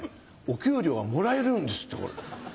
お給料はもらえるんですってこれ。